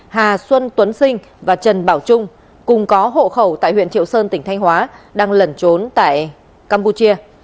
hà xuân tuấn sinh và trần bảo trung cùng có hộ khẩu tại huyện triệu sơn tỉnh thanh hóa đang lẩn trốn tại campuchia